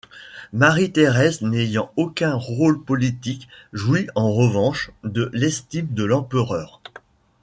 Marie-Thérèse n'ayant aucun rôle politique jouit en revanche de l'estime de l'empereur.